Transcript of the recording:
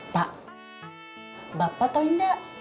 pak bapak tau nggak